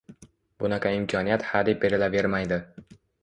Bunaqa imkoniyat hadeb berilavermaydi.